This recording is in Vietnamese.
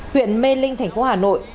huyện mê linh thành phố hà nội